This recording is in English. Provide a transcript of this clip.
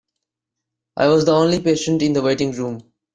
I was the only patient in the waiting room.